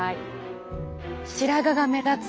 白髪が目立つ。